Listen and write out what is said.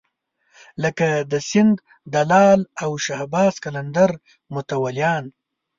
لکه د سیند د لعل او شهباز قلندر متولیان.